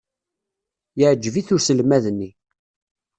Yeɛjeb-it uselmad-nni.